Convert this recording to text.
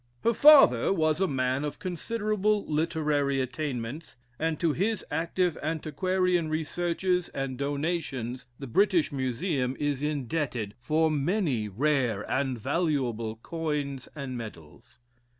Her father was a man of considerable literary attainments, and to his active antiquarian researches and donations the British Museum is indebted for many rare and valuable coins and medals.